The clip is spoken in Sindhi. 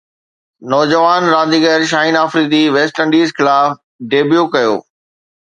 نوجوان رانديگر شاهين آفريدي ويسٽ انڊيز خلاف ڊيبيو ڪيو